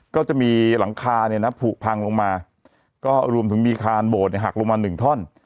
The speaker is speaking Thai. ก็จะมีหลังคาผูกพังลงมาก็รวมถึงมีคานโบสถ์หักลงมา๑ท่อน